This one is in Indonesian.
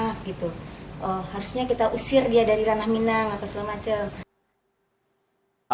harusnya kita usir dia dari ranah minang apa semacam